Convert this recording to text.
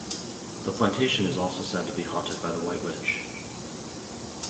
The plantation is also said to be haunted by the White Witch.